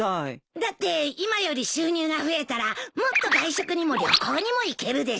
だって今より収入が増えたらもっと外食にも旅行にも行けるでしょ。